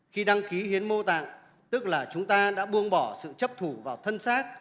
khi đăng ký hiến mô tạng tức là chúng ta đã buông bỏ sự chấp thủ vào thân xác